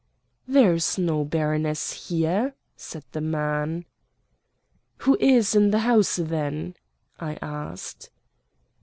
"There's no baroness here," said the man. "Who is in the house, then?" I asked.